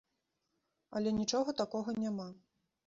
Але нічога такога няма!